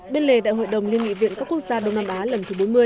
bên lề đại hội đồng liên nghị viện các quốc gia đông nam á lần thứ bốn mươi